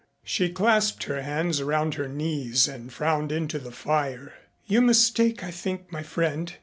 She clasped her hands around her knees and frowned into the fire. "You mistake, I think, my friend.